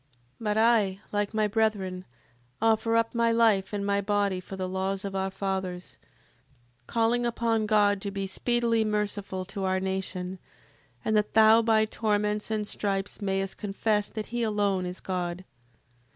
7:37. But I, like my brethren, offer up my life and my body for the laws of our fathers: calling upon God to be speedily merciful to our nation, and that thou by torments and stripes mayst confess that he alone is God.